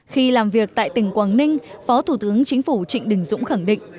khi làm việc tại tỉnh quảng ninh phó thủ tướng chính phủ trịnh đình dũng khẳng định